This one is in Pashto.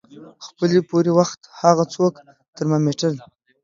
خپلې پورې وخت هغه څوکه ترمامیټر د